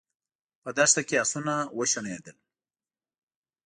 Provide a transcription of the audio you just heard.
په دښته کې آسونه وشڼېدل.